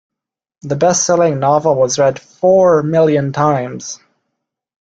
The bestselling novel was read four million times.